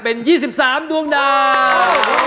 เป็น๒๓ดวงดาว